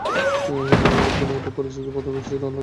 কিন্তু মনে রাখবেন, প্রতিটি পরিস্থিতিই আলাদা।